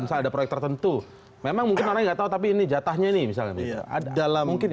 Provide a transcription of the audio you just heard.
ada proyek tertentu memang mungkin alangnya tahu tapi ini jatahnya nih misalnya ada dalam mungkit